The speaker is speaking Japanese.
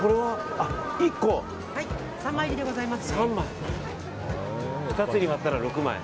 ３枚入りでございます。